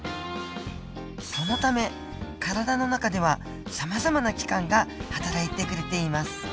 そのため体の中ではさまざまな器官がはたらいてくれています。